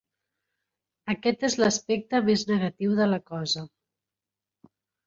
Aquest és l'aspecte més negatiu de la cosa.